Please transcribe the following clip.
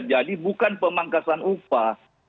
jadi bukan pemangkasan upah